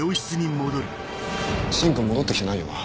芯君戻ってきてないよな？